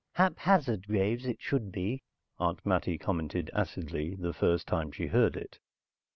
"Haphazard Graves, it should be," Aunt Mattie commented acidly the first time she heard it.